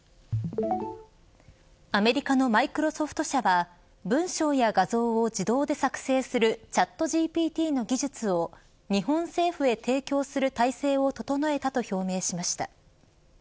アメリカのマイクロソフト社は文章や画像を自動で作成するチャットＧＰＴの技術を日本政府へ提供する体制を整えたと表明しました。